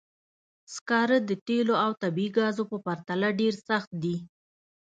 سکاره د تېلو او طبیعي ګازو په پرتله ډېر سخت دي.